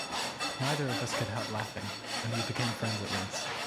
Neither of us could help laughing, and we became friends at once.